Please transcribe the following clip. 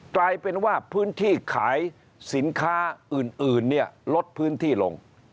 กลายเป็นว่าพื้นที่ขายสินค้าอื่นเนี่ยลดพื้นที่ลง